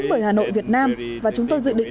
bởi hà nội việt nam và chúng tôi dự định